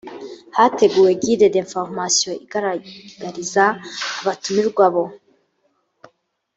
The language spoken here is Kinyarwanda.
hateguwe guide d information igaragariza abatumirwa bo